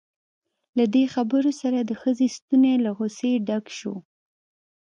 له دې خبرو سره د ښځې ستونی له غصې ډک شو.